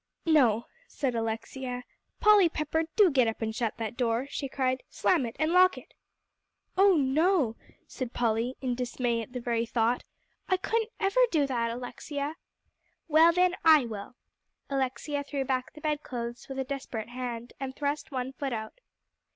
"No," said Alexia. "Polly Pepper, do get up and shut that door," she cried; "slam it, and lock it." "Oh, no," said Polly, in dismay at the very thought, "I couldn't ever do that, Alexia." "Well, then I will." Alexia threw back the bedclothes with a desperate hand, and thrust one foot out.